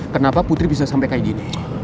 kenapa putri bisa sampai kayak gini